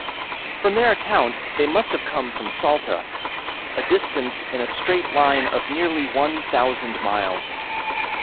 From their account they must have come from Salta, a distance in a straight line of nearly one thousand miles.